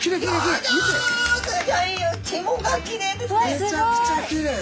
めちゃくちゃきれい。